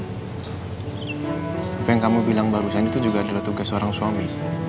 apa yang kamu bilang barusan itu juga adalah tugas seorang suami